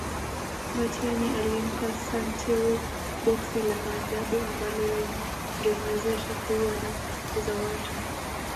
Mbatiany alimpa Santeu boksi la Maajabu ambalo lingemwezesha kuua na kufukuza watu